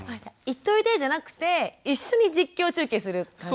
「行っといで」じゃなくて一緒に実況中継する感じ。